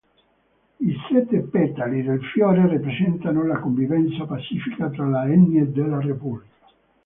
I sette petali del fiore rappresentano la convivenza pacifica tra le etnie della Repubblica.